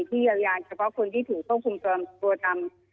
ที่เยียวยาเฉพาะคนที่ถูกคุมษัตริย์ตัวรำจันทร์